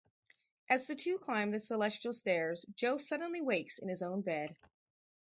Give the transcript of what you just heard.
As the two climb the Celestial Stairs, Joe suddenly wakes in his own bed.